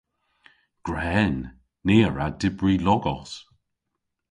Gwren. Ni a wra dybri logos.